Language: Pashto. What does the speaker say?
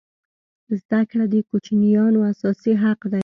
زده کړه د کوچنیانو اساسي حق دی.